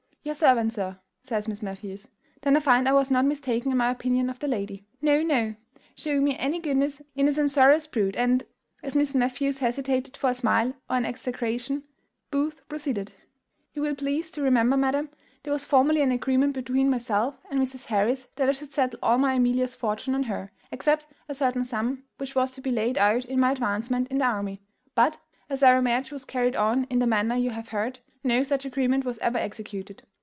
"Your servant, sir," says Miss Matthews; "then I find I was not mistaken in my opinion of the lady. No, no, shew me any goodness in a censorious prude, and " As Miss Matthews hesitated for a simile or an execration, Booth proceeded: "You will please to remember, madam, there was formerly an agreement between myself and Mrs. Harris that I should settle all my Amelia's fortune on her, except a certain sum, which was to be laid out in my advancement in the army; but, as our marriage was carried on in the manner you have heard, no such agreement was ever executed.